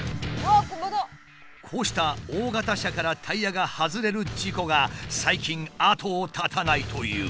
こうした大型車からタイヤが外れる事故が最近後を絶たないという。